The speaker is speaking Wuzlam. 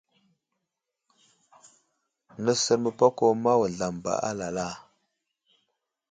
Nəsər məpako ma wuzlam ba alala.